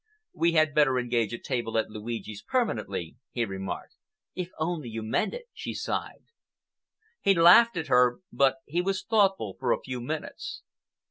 "We had better engage a table at Luigi's permanently," he remarked. "If only you meant it!" she sighed. He laughed at her, but he was thoughtful for a few minutes.